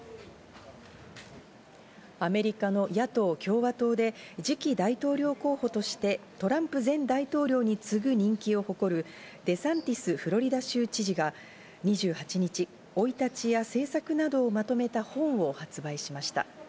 アメリカの野党・共和党で次期大統領候補として、トランプ前大統領につぐ人気を誇る、デサンティス・フロリダ州知事が２８日、生い立ちや政策などをまとめた本を発売しました。